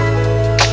terima kasih ya allah